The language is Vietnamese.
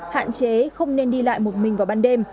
hạn chế không nên đi lại một mình vào ban đêm